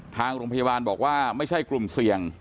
ทางโรงพยาบาลบอกว่าไม่ใช่กลุ่มเสี่ยง